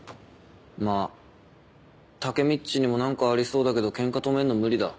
まっタケミっちにも何かありそうだけどケンカ止めんのは無理だ。